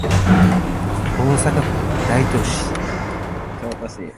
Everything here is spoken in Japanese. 大阪府大東市